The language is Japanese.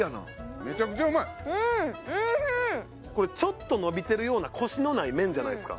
ちょっと伸びてるようなコシのない麺じゃないですか。